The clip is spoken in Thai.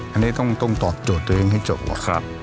อันนี้ต้องตอบโจทย์ตัวเองให้จบ